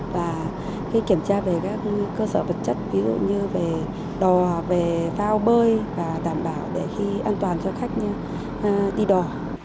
và kiểm tra về các cơ sở vật chất ví dụ như về đò về phao bơi và đảm bảo để khi an toàn cho khách đi đò